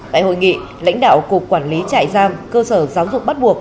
tại hội nghị lãnh đạo cục quản lý trại giam cơ sở giáo dục bắt buộc